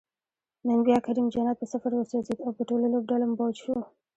نن بیا کریم جنت په صفر وسوځید، او په ټوله لوبډله بوج شو